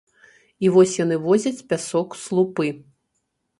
І вось яны возяць пясок, слупы.